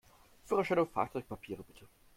Führerschein und Fahrzeugpapiere, bitte!